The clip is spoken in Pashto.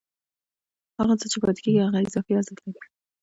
هغه څه چې پاتېږي هغه اضافي ارزښت دی